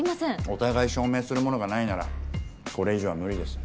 お互い証明するものがないならこれ以上は無理です。